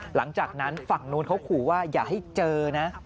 หลังจากนั้นฝั่งนู้นเขาขู่ว่าอย่าให้เจอนะ